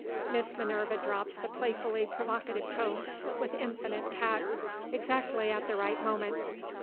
Miss Minerva dropped the playfully provocative tone, with infinite tact, exactly at the right moment.